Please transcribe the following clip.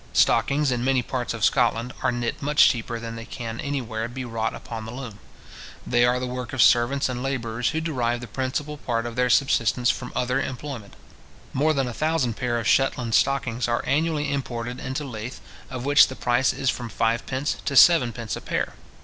Stockings, in many parts of Scotland, are knit much cheaper than they can anywhere be wrought upon the loom. They are the work of servants and labourers who derive the principal part of their subsistence from some other employment. More than a thousand pair of Shetland stockings are annually imported into Leith, of which the price is from fivepence to seven pence a pair.